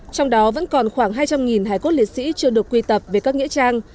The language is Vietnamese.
trong đó vẫn còn khoảng hai trăm linh hải cốt liệt sĩ chưa được quy tập về các nghĩa trang